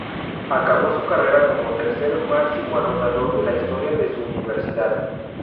Acabó su carrera como tercer máximo anotador de la historia de su universidad.